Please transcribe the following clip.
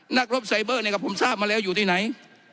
นักรบไซเบอร์เนี่ยก็ผมทราบมาแล้วอยู่ที่ไหน